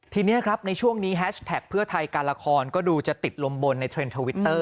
ทีนี้ครับในช่วงนี้แฮชแท็กเพื่อไทยการละครก็ดูจะติดลมบนในเทรนด์ทวิตเตอร์